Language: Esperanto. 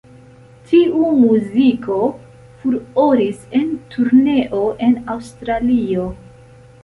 Tiu muziko furoris en turneo en Aŭstralio.